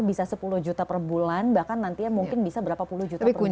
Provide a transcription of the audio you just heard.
bisa sepuluh juta per bulan bahkan nantinya mungkin bisa berapa puluh juta per bulan